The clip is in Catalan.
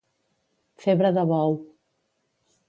Febre de bou.